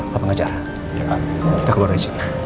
pak pengacara kita keluar disini